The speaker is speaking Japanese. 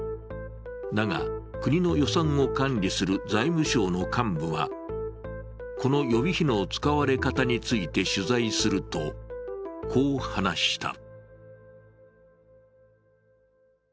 だが、国の予算を管理する財務省の幹部は、この予備費の使われ方について取材すると、こう話した。